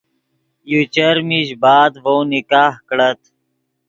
یو چر میش بعد ڤؤ نکاہ کڑت